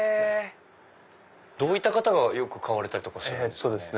どういった方がよく買われたりするんですか？